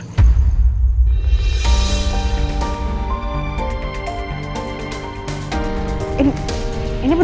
tidak ada yang bisa dihukum